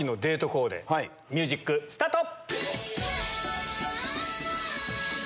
コーデミュージックスタート！